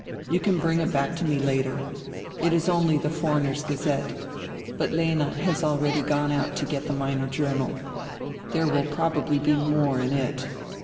You can bring it back to me later. It is only die Foreigners ' Gazette, but Lena has already gone out to get die Minor Journal. There will probably be more in it.